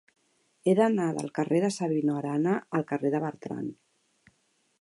He d'anar del carrer de Sabino Arana al carrer de Bertran.